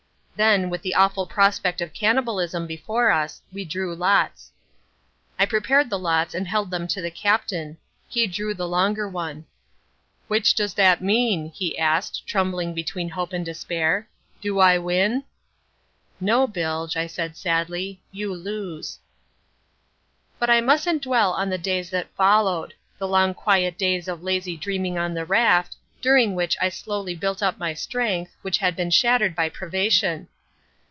Then, with the awful prospect of cannibalism before us, we drew lots. I prepared the lots and held them to the Captain. He drew the longer one. "Which does that mean," he asked, trembling between hope and despair. "Do I win?" "No, Bilge," I said sadly, "you lose." But I mustn't dwell on the days that followed—the long quiet days of lazy dreaming on the raft, during which I slowly built up my strength, which had been shattered by privation.